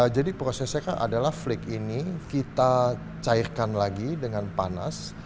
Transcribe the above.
jadi prosesnya adalah flake ini kita cairkan lagi dengan panas